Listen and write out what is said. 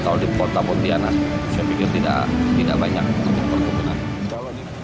kasusnya pun sudah dilimpahkan kekejaksaan